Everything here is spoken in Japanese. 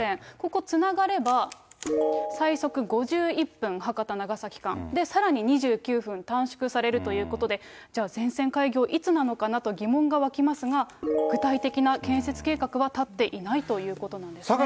ここ、つながれば最速５１分、博多・長崎間、さらに２９分短縮されるということで、じゃあ、全線開業、いつなのかなと疑問が湧きますが、具体的な建設計画は立っていないということなんですね。